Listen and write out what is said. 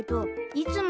いつも。